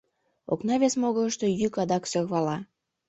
Окна вес могырышто йӱк адак сӧрвала: